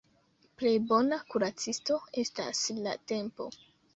Plej bona kuracisto estas la tempo.